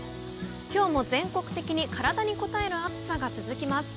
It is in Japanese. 今日も全国的に体にこたえる暑さが続きます。